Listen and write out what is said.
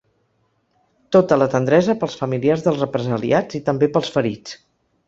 Tota la tendresa pels familiars dels represaliats i també pels ferits.